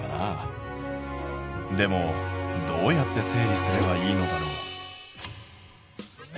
でもどうやって整理すればいいのだろう？